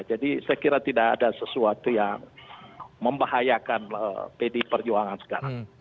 jadi saya kira tidak ada sesuatu yang membahayakan pd perjuangan sekarang